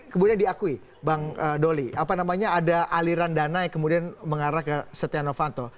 kemudian diakui bang doli apa namanya ada aliran dana yang kemudian mengarah ke setia novanto